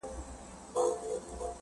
پخواني خلک پوڅې خوړلې.